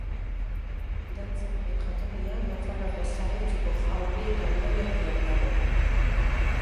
Dantza honen jatorria Nafarroako Zaraitzuko Jaurrieta udalerrian dago.